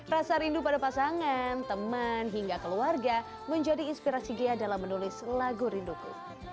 rasa rindu pada pasangan teman hingga keluarga menjadi inspirasi ghea dalam menulis lagu rinduku